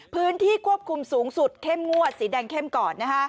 พื้นที่ควบคุมสูงสุดเข้มงวดสีแดงเข้มก่อน